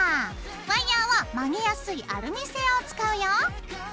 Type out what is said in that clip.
ワイヤーは曲げやすいアルミ製を使うよ。